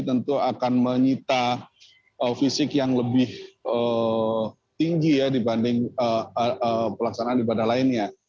tentu akan menyita fisik yang lebih tinggi ya dibanding pelaksanaan ibadah lainnya